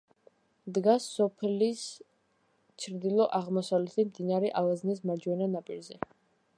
დგას სოფლის ჩრდილო-აღმოსავლეთით, მდინარე ალაზნის მარჯვენა ნაპირზე.